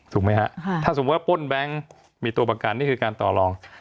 ถูกไหมฮะถ้าสมมุติว่าป้นแบงค์มีตัวประกันนี่คือการต่อรอง